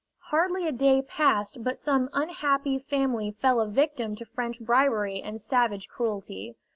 Hardly a day passed but some unhappy family fell a victim to French bribery and savage cruelty.